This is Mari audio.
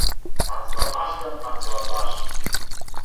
Танцеватлаш гын, танцеватлаш.